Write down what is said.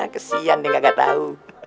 kasihan deh kagak tau